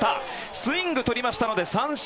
スイングを取りましたので三振。